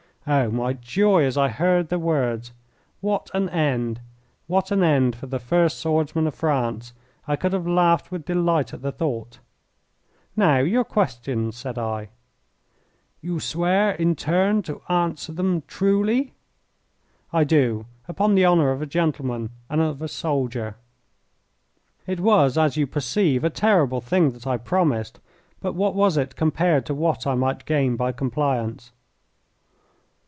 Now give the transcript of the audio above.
Oh, my joy as I heard the words! What an end what an end for the first swordsman of France! I could have laughed with delight at the thought. "Now, your questions!" said I. "You swear in turn to answer them truly?" "I do, upon the honour of a gentleman and a soldier." It was, as you perceive, a terrible thing that I promised, but what was it compared to what I might gain by compliance?